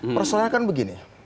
persoalannya kan begini